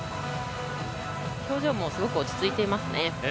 表情もすごく落ち着いていますね。